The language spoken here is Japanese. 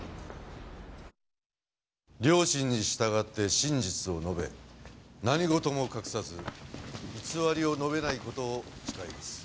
良心に従って真実を述べ何事も隠さず偽りを述べない事を誓います。